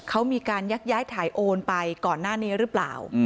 เขามีการยักย้ายถ่ายโอนไปก่อนหน้านี้หรือเปล่า